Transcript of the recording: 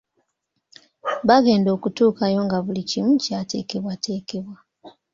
Baagenda okutuukayo nga buli kimu kyatekebwatekebwa.